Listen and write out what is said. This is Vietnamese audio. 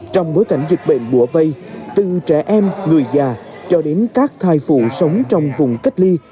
trong bối cảnh dịch bệnh bổ vây từ trẻ em người già cho đến các thai phụ sống trong vùng cách ly